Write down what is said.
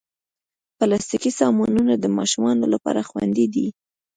پلاستيکي سامانونه د ماشومانو لپاره خوندې نه دي.